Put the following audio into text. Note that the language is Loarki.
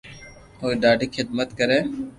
اورو ڌاڌي خدمت ڪري